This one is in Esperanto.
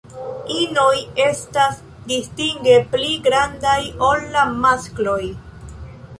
Inoj estas distinge pli grandaj ol la maskloj.